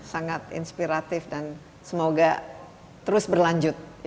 sangat inspiratif dan semoga terus berlanjut